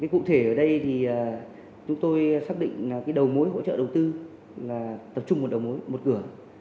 cụ thể ở đây thì chúng tôi xác định đầu mối hỗ trợ đầu tư là tập trung một đầu mối một cửa